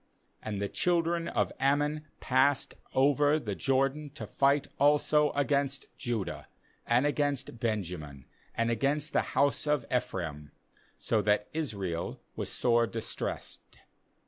9And the children of Ammon passed over the Jordan to fight also against Judah, and against Benjamin, and against the house of Ephraim, so that Israel was sore distressed.